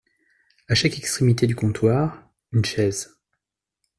A chaque extrémité du comptoir, une chaise.